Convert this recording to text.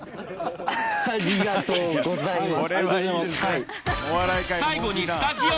ありがとうございます。